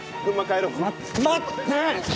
ま待って！